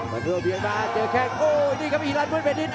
มาเพื่อวินบาร์เจอแค่โอ้นี่ครับอีรันมอนเบนดิน